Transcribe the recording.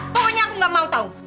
pokoknya aku nggak mau tau